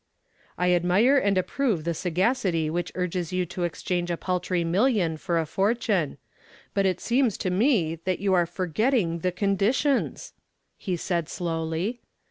"I admire and approve the sagacity which urges you to exchange a paltry million for a fortune, but it seems to me that you are forgetting the conditions," he said, slowly.